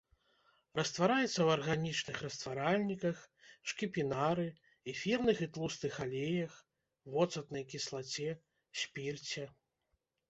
Раствараецца ў арганічных растваральніках, шкіпінары, эфірных і тлустых алеях, воцатнай кіслаце, спірце.